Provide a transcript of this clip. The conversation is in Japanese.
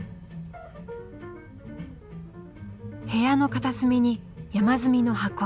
部屋の片隅に山積みの箱。